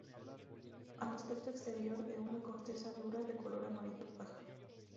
El aspecto exterior es de una corteza dura de color amarillo paja.